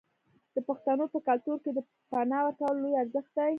د پښتنو په کلتور کې د پنا ورکول لوی ارزښت دی.